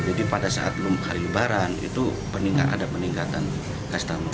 jadi pada saat hari lebaran itu ada peningkatan customer